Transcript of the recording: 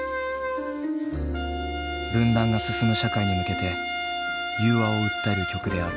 分断が進む社会に向けて融和を訴える曲である。